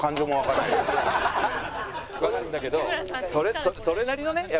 わかるんだけどそれなりのねやっぱ。